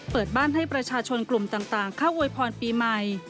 เปิดบ้านให้ประชาชนกลุ่มต่างเข้าอวยพรปีใหม่